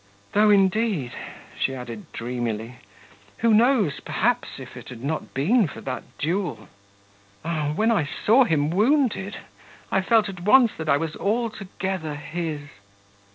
'Though indeed,' she added, dreamily, 'who knows, perhaps, if it had not been for that duel.... Ah, when I saw him wounded I felt at once that I was altogether his.'